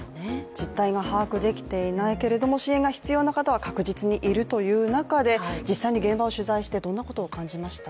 実態が把握できていないけれども支援が必要な方は確実にいるという中で実際に現場を取材してどんなことを感じました？